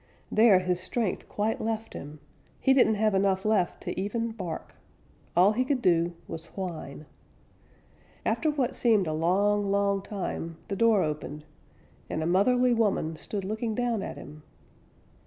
There his strength quite left him. He didn't have enough left to even bark. All he could do was whine. After what seemed a long, long time the door opened, and a motherly woman stood looking down at him.